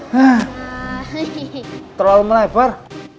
hah terlalu melebar